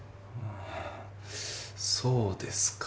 あそうですか。